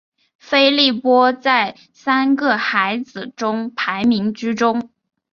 菲利波在三个孩子中排行居中。